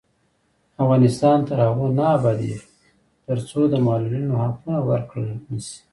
افغانستان تر هغو نه ابادیږي، ترڅو د معلولینو حقونه ورکړل نشي.